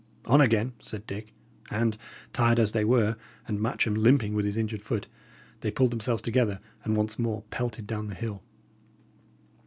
"On again," said Dick; and, tired as they were, and Matcham limping with his injured foot, they pulled themselves together, and once more pelted down the hill.